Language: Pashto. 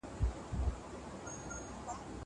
د اوه کلنۍ څخه یې په لمانځه ودروئ.